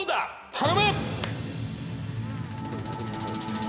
頼む！